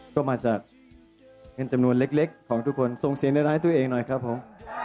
ก็มาจากเงินจำนวนเล็กของทุกคนส่งเสียงร้ายตัวเองหน่อยครับผม